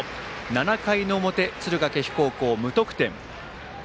７回の表、敦賀気比高校、無得点。